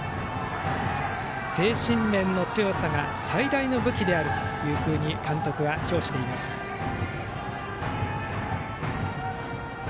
精神面の強さが最大の武器であるというふうに監督は評しています、重川。